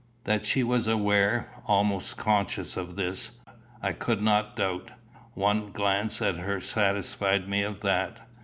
That she was aware, almost conscious of this, I could not doubt. One glance at her satisfied me of that.